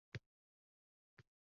Soʻz tovushlardan tashkil topadi